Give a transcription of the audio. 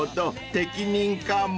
適任かも］